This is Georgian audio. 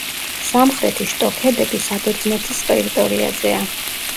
სამხრეთი შტოქედები საბერძნეთის ტერიტორიაზეა.